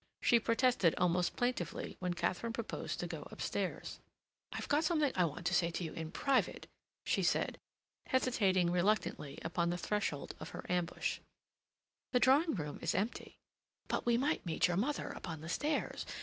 She protested almost plaintively when Katharine proposed to go upstairs. "I've something that I want to say to you in private," she said, hesitating reluctantly upon the threshold of her ambush. "The drawing room is empty—" "But we might meet your mother upon the stairs.